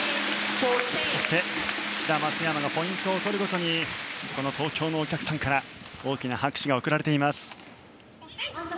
そして、志田、松山がポイントを取るごとに東京のお客さんから大きな拍手が送られています。